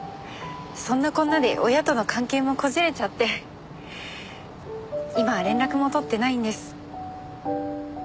そんなこんなで親との関係もこじれちゃって今は連絡も取ってないんです。